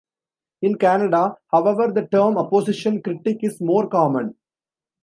In Canada, however, the term Opposition Critic is more common.